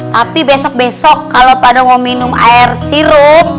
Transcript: tapi besok besok kalau pada mau minum air sirup